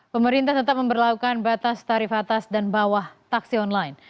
pemerintah tetap memperlakukan batas tarif atas dan bawah taksi online